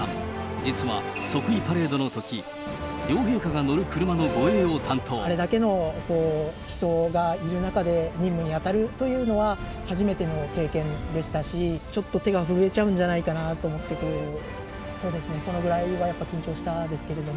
実は即位パレードのとき、あれだけの人がいる中で、任務に当たるというのは初めての経験でしたし、ちょっと手が震えちゃうんじゃないかなと、そうですね、それぐらいは緊張したんですけれども。